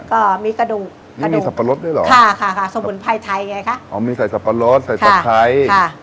ก็มีกระดูกกระดูกสับปะรดด้วยเหรอค่ะค่ะค่ะสมุนไพรไทยไงคะอ๋อมีใส่สับปะรดใส่ตะไคร้ค่ะ